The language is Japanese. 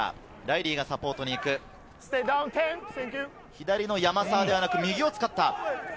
左の山沢ではなく、右を使った。